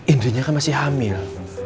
indri nya kan masih hamil